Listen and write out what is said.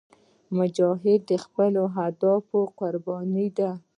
مجاهد د خپل هدف قرباني دی.